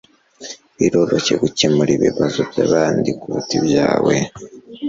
Biroroshye gukemura ibibazo byabandi kuruta ibyawe